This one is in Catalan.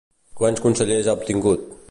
Quants consellers ha obtingut?